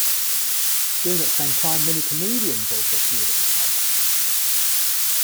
During that same time, many comedians also appeared at the club.